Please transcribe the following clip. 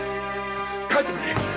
帰ってくれ！